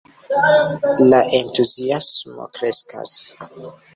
La entuziasmo kreskas.